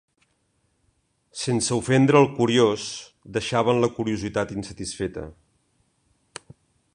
Sense ofendre al curiós, deixaven la curiositat insatisfeta.